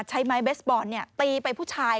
ใช้ไม้เบสบอลตีไปผู้ชาย